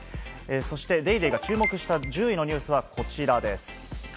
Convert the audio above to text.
そして『ＤａｙＤａｙ．』が注目した１０位のニュースはこちらです。